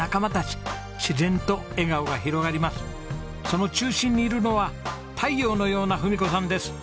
その中心にいるのは太陽のような文子さんです。